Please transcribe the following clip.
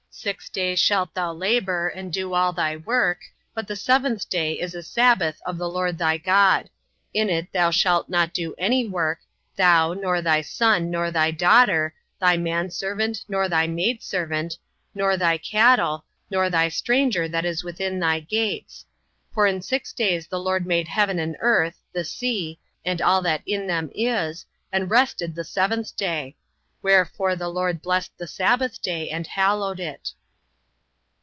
Six days shalt thou labor, and do all thy work; but the seventh day is the sabbath of the LORD thy God: in it thou shalt not do any work, thou, nor thy son, nor thy daughter, thy manservant, nor thy maidservant, nor thy cattle, nor thy stranger that is within thy gates. For in six days the LORD made heaven and earth, the sea, and all that in them is, and rested the seventh day: wherefore the LORD blessed the sabbath day, and hallowed it.